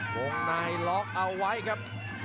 มนายหลอกเอาไว้ครับ